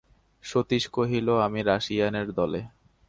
সতীশ কহিল, আমি রাশিয়ানের দলে।